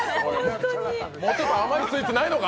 もうちょっと甘いスイーツないのか！